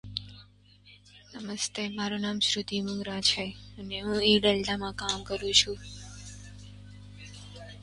He wouldn't face serious opposition again for over a decade.